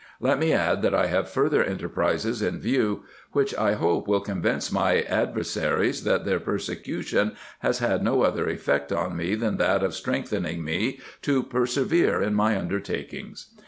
Let me add, I have further enterprises in view, which, I hope, will convince my adversaries, that their persecution has had no other effect on me, than that of strengthening me to per severance in my undertakings.